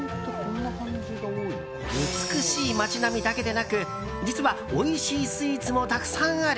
美しい街並みだけでなく実は、おいしいスイーツもたくさんある。